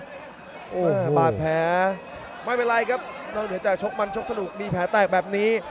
บาทแพ้ไม่เป็นไรครับน้องเหนือแจกชกมันชกสนุกมีแพ้แตกแบบนี้